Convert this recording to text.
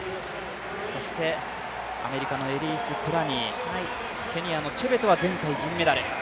そしてアメリカのエリース・クラニー、ケニアのチェベトは前回金メダル。